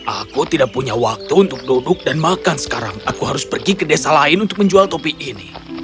aku tidak punya waktu untuk duduk dan makan sekarang aku harus pergi ke desa lain untuk menjual topi ini